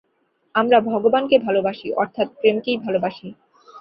আমরা ভগবানকে ভালবাসি অর্থাৎ প্রেমকেই ভালবাসি।